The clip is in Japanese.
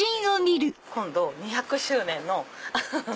今度２００周年の。